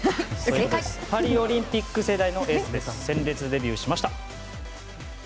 パリオリンピック世代のエースで鮮烈デビューしました。